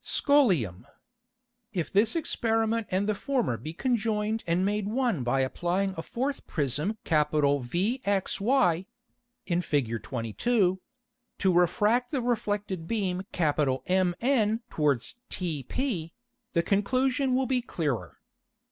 Scholium. If this Experiment and the former be conjoined and made one by applying a fourth Prism VXY [in Fig. 22.] to refract the reflected beam MN towards tp, the Conclusion will be clearer.